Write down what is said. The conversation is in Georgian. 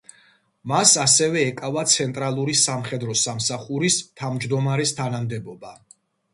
მას ასევე ეკავა ცენტრალური სამხედრო სამსახურის თავმჯდომარეს თანამდებობა.